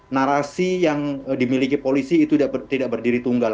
narasi yang dimiliki polisi itu tidak berdiri tunggal